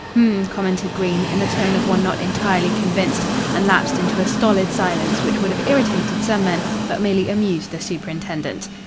"H'm," commented Green, in the tone of one not entirely convinced, and lapsed into a stolid silence which would have irritated some men, but merely amused the superintendent.